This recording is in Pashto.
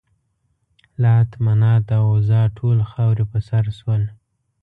لات، منات او عزا ټول خاورې په سر شول.